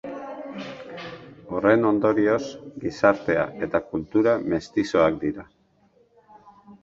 Horren ondorioz, gizartea eta kultura mestizoak dira.